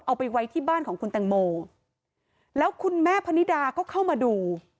เอาไปไว้ที่บ้านของคุณแตงโมแล้วคุณแม่พนิดาก็เข้ามาดู